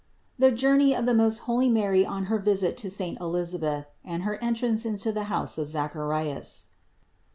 THE JOURNEY OF THE MOST HOLY MARY ON HER VISIT TO SAINT ELISABETH AND HER ENTRANCE INTO THE HOUSE OF ZACHARIAS.